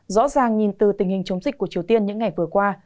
rõ ràng nhìn từ tình hình chống dịch của triều tiên những ngày vừa qua